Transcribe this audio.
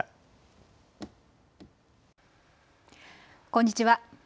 こんにちは。